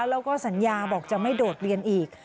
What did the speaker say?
แล้วก็สัญญาบอกจะไม่โดดเรียนอีก